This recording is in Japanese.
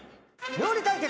料理対決！